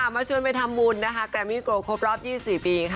มาชวนไปทำบุญกรมมิตรโกรภรอบ๒๔ปี